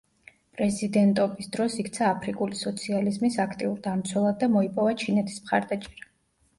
პრეზიდენტობის დროს იქცა აფრიკული სოციალიზმის აქტიურ დამცველად და მოიპოვა ჩინეთის მხარდაჭერა.